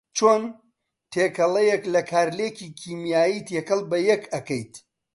چۆن تێکەڵیەک لە کارلێکی کیمیایی تێکەڵ بەیەک ئەکەیت